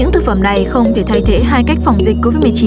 những thực phẩm này không thể thay thế hai cách phòng dịch covid một mươi chín